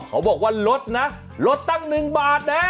เขาบอกว่าลดนะลดตั้ง๑บาทนะ